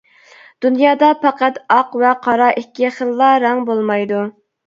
دۇنيادا پەقەت ئاق ۋە قارا ئىككى خىللا رەڭ بولمايدۇ.